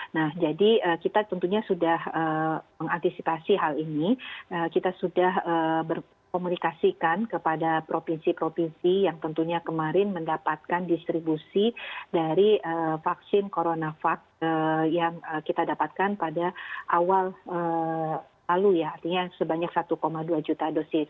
nah jadi kita tentunya sudah mengantisipasi hal ini kita sudah berkomunikasikan kepada provinsi provinsi yang tentunya kemarin mendapatkan distribusi dari vaksin coronavac yang kita dapatkan pada awal lalu ya artinya sebanyak satu dua juta dosis